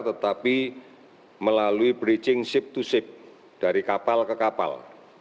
tetapi melalui bridging ship to ship dari kapal ke kapal